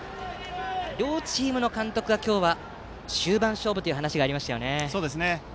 両チームの監督から今日は終盤勝負という話がありました。